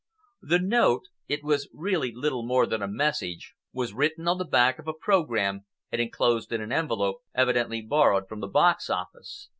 The note—it was really little more than a message—was written on the back of a programme and enclosed in an envelope evidently borrowed from the box office.